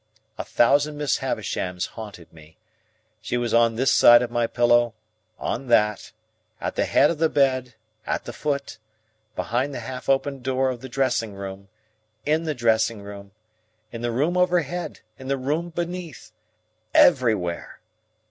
A thousand Miss Havishams haunted me. She was on this side of my pillow, on that, at the head of the bed, at the foot, behind the half opened door of the dressing room, in the dressing room, in the room overhead, in the room beneath,—everywhere.